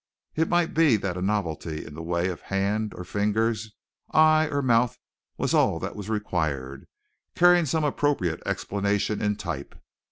It might be that a novelty in the way of hand or finger, eye or mouth was all that was required, carrying some appropriate explanation in type.